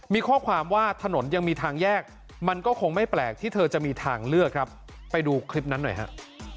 มีข้อความว่าถนนยังมีทางแยกมันก็คงไม่แปลกที่เธอจะมีทางเลือกครับไปดูคลิปนั้นหน่อยฮะ